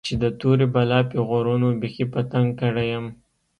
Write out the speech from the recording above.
چې د تورې بلا پيغورونو بيخي په تنگ کړى وم.